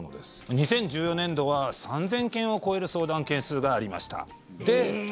２０１４年度は３０００件を超える相談件数がありました。